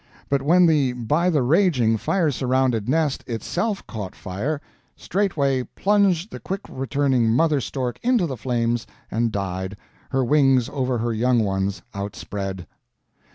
But when the bytheraging, firesurrounded Nest ITSELF caught Fire, straightway plunged the quickreturning Mother Stork into the Flames and died, her Wings over her young ones outspread."